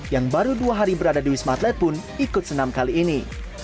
yang baru dua hari berada di wisma atlet pun ikut senam kali ini